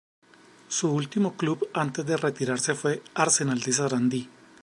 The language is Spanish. Su último club antes de retirarse fue Arsenal de Sarandí.